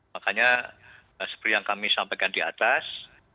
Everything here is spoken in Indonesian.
makanya seperti yang kami sampaikan di atas